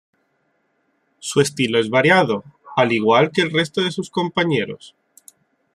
Su estilo es variado, al igual que el resto de sus compañeros.